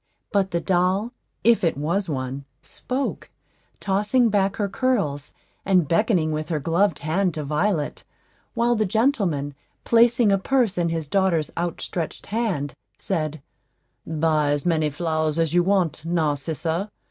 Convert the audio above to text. But the doll, if it was one, spoke, tossing back her curls, and beckoning with her gloved hand to Violet, while the gentleman, placing a purse in his daughter's outstretched hand, said, "Buy as many flowers as you want, Narcissa.